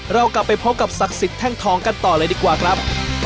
เรากลับไปพบกับศักดิ์สิทธิแท่งทองกันต่อเลยดีกว่าครับ